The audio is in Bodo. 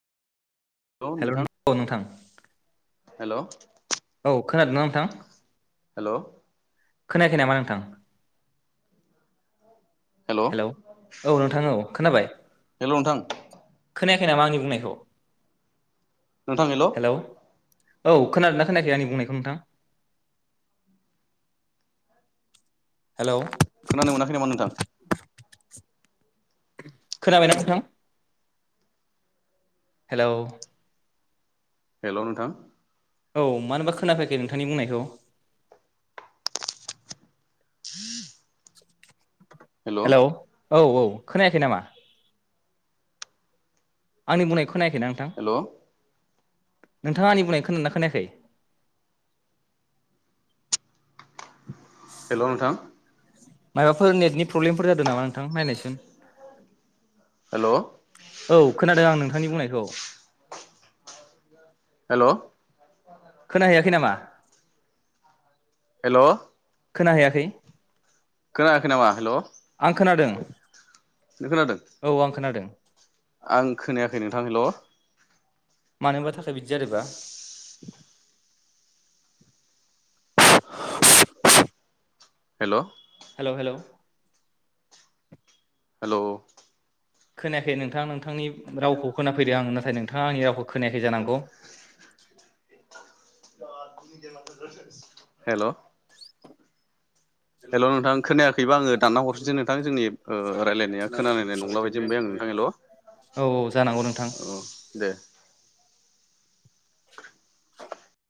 हेलौ [unintelligible] औ नोंथां हेल औ खोनादोंना नोंथां? हेलौ खोनायाखै नामा नोंथां? हेल' हेलौ औ नोंथां औ खोनाबाय हेल' नोंथां खोनायाखै नामा आंनि बुंनायखौ नोंथां हेलौ औ खोनादोंना खोनायाखै आंनि बुंनायखौ नोंथां हेलौ खोनानो मोनाखै नामा नोंथां खोनाबायना नोंथां हेलौ हेल' नोंथां औ मानोबा खोनाफैयाखै नोंथांनि बुंनायखौ [unintelligible] हेल' [inaudible] हेलौ औ औ खोनायाखै नामा आंनि बुंनायखौ खोनायाखै ना नोंथां हेल' नोंथाङा आंनि बुंनाय खोनादों ना खोनायाखै हेल' नोंथां मायबाफोर नेटनि प्रब्लेमफोर जादों नामा नोंथां नायनायसुन हेल' औ खोनादों आं नोंथांनि बुंनायखौ [inaudible] हेल' खोनाहैयाखै नामा हेल' खोना हैयाखै खोनायाखै नामा हेल' नों खोनादों खोनादों औ आं खोनादों आं खोनायाखै नों नोंथां हेल' मानोबा थाखाय बिदिजादोबा [unintelligible] हेल' हेलौ हेलौ हेल' खोनायाखै नोंथां नोंथांनि रावखौ खोनाफैदों आङो नाथाय नोंथाङा आंनि रावखौ खोनायाखै जानांगौ [unintelligible] हेल' हेल' नोंथां खोनायाखैबा आङो दानना हरफिनसै नोंथां जोंनि ओ रायलायनाया खोनालायनाय नंला बादि मोनबाय आं नोंथां हेल' औ औ जानांगौ नोंथां ओ दे